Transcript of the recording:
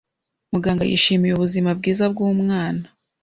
Muganga yishimiye ubuzima bwiza bwumwana.